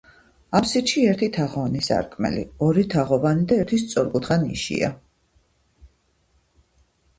აბსიდში ერთი თაღოვანი სარკმელი, ორი თაღოვანი და ერთი სწორკუთხა ნიშია.